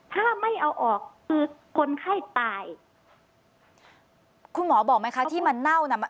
ถ้าไม่เอาออกคือคนไข้ตายคุณหมอบอกไหมคะที่มันเน่าน่ะ